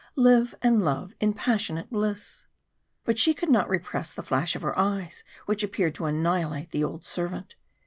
Live and love in passionate bliss!" But she could not repress the flash of her eyes which appeared to annihilate the old servant.